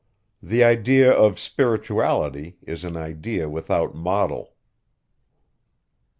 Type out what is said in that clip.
The idea of spirituality is an idea without model. 22.